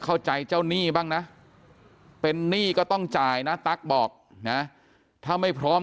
เข้าใจเจ้าหนี้บ้างนะเป็นหนี้ก็ต้องจ่ายนะตั๊กบอกนะถ้าไม่พร้อม